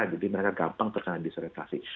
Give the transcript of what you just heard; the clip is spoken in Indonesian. jadi mereka gampang terserah disorientasi